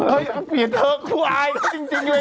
เฮ้ยเปลี่ยนเถอะคุณอายจริงไหมเนี่ย